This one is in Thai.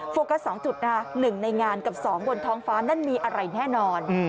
โฟกัสสองจุดภาคหนึ่งในงานกับสองบนท้องฟ้านั่นมีอะไรแน่นอน